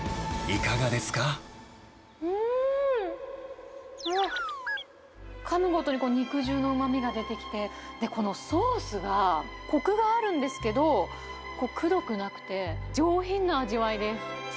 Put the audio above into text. うーん、うわっ、かむごとに肉汁のうまみが出てきて、で、このソースが、こくがあるんですけど、くどくなくて、上品な味わいです。